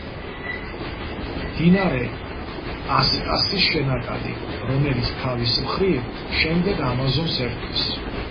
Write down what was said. მდინარე პასტასის შენაკადი, რომელიც თავის მხრივ, შემდეგ ამაზონს ერთვის.